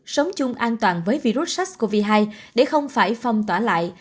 sống chung an toàn với virus sars cov hai để không phải phong tỏa lại